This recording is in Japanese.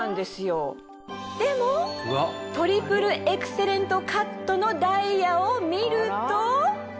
でもトリプルエクセレントカットのダイヤを見ると。